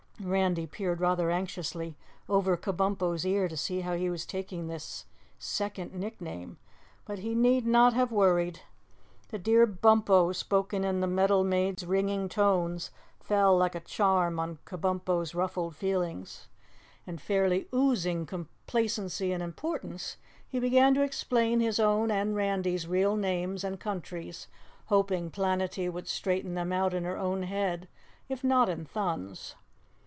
Randy peered rather anxiously over Kabumpo's ear to see how he was taking this second nickname, but he need not have worried. The "dear Bumpo," spoken in the metal maid's ringing tones, fell like a charm on Kabumpo's ruffled feelings. And, fairly oozing complacency and importance, he began to explain his own and Randy's real names and countries, hoping Planetty would straighten them out in her own head, if not in Thun's.